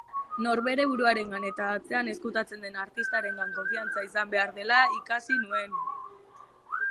Norbere buruarengan eta atzean ezkutatzen den artistarengan konfiantza izan behar dela ikasi nuen.